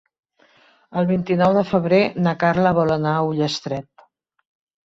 El vint-i-nou de febrer na Carla vol anar a Ullastret.